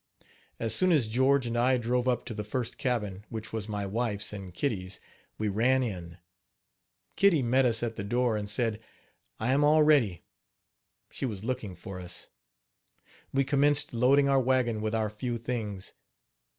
As soon as George and I drove up to the first cabin, which was my wife's and Kitty's, we ran in. Kitty met us at the door and said: "I am all ready." She was looking for us. We commenced loading our wagon with our few things.